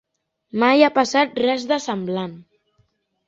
Mai ha passat res de semblant.